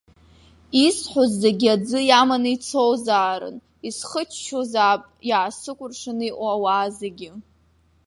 Исҳәоз зегьы аӡы иаманы ицозаарын, исхыччозаап иаасыкәыршаны иҟоу ауаа зегьы.